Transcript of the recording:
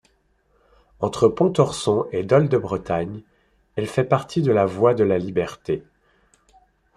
Entre Pontorson et Dol-de-Bretagne, elle fait partie de la voie de la Liberté.